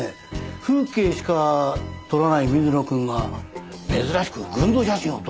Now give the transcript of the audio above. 風景しか撮らない水野君が珍しく群像写真を撮っててね。